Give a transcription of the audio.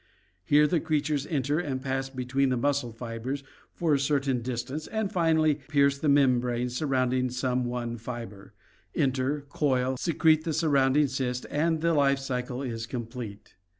Here the creatures enter and pass between the muscle fibers for a certain distance and finally pierce the membrane surrounding some one fiber, enter, coil, secrete the surrounding cyst, and the life cycle is complete.